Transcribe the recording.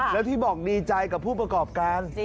แล้วที่บอกดีใจกับผู้ประกอบการ